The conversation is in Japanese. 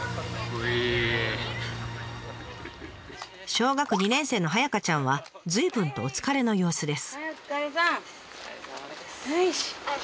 小学２年生のはやかちゃんは随分とお疲れの様子です。